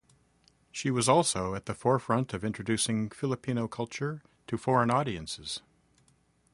She was also at the forefront of introducing Filipino culture to foreign audiences.